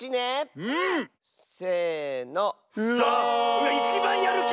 うわいちばんやるき！